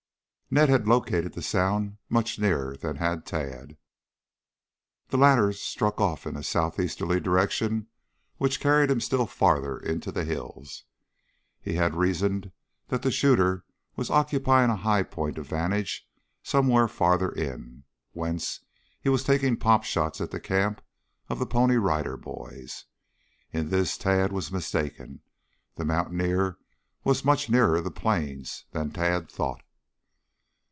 Ned had located the sound much nearer than had Tad. The latter struck off in a southeasterly direction which carried him still farther into the hills. He had reasoned that the shooter was occupying a high point of vantage somewhere farther in, whence he was taking pot shots at the camp of the Pony Rider Boys. In this Tad was mistaken. The mountaineer was much nearer the plains than Tad thought.